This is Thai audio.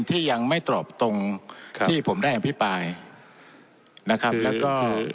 ที่ยังไม่ตอบตรงครับที่ผมได้อภิปรายนะครับแล้วก็